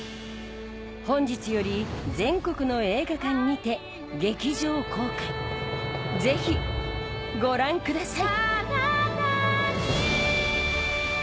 本日より全国の映画館にて劇場公開ぜひご覧ください